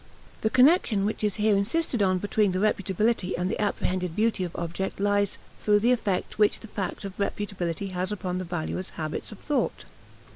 The connection which is here insisted on between the reputability and the apprehended beauty of objects lies through the effect which the fact of reputability has upon the valuer's habits of thought.